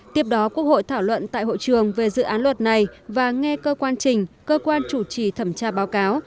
tiếp đó quốc hội thảo luận tại hội trường về dự án luật này và nghe cơ quan trình cơ quan chủ trì thẩm tra báo cáo